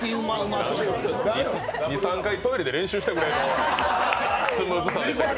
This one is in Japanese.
２３回トイレで練習したぐらいのスムーズさでしたけど。